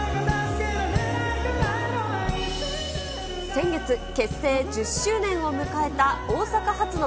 先月、結成１０周年を迎えた大阪発の